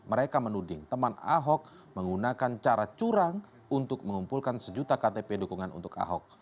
mereka menuding teman ahok menggunakan cara curang untuk mengumpulkan sejuta ktp dukungan untuk ahok